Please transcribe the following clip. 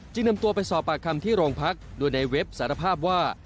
จึงนำตัวไปสอบปากคำที่โรงพักษณ์ด้วยนายเวฟสารภาพว่า